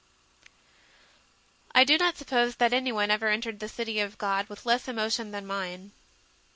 VII i. I do not suppose that anyone ever entered the City of God with less emotion than mine.